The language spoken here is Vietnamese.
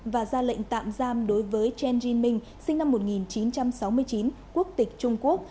và ra lệnh tạm giam đối với chang jin minh sinh năm một nghìn chín trăm sáu mươi chín quốc tịch trung quốc